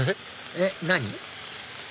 えっ何？